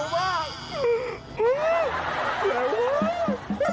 สวัสดีครับ